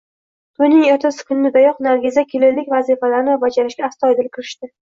To`yning ertasi kunidanoq Nargiza kelinlik vazifalarini bajarishga astoydil kirishdi